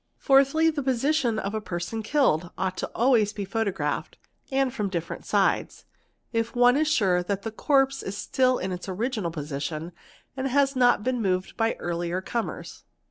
Fourthly, the position of a person killed ought always ' i0 be photographed and from different sides, if one is sure that the corpse )still in its original position and has not been moved by earlier comers.